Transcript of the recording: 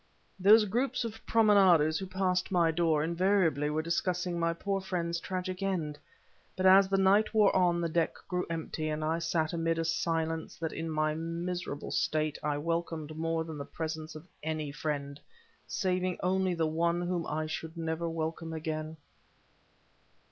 Those groups of promenaders who passed my door, invariably were discussing my poor friend's tragic end; but as the night wore on, the deck grew empty, and I sat amid a silence that in my miserable state I welcomed more than the presence of any friend, saving only the one whom I should never welcome again.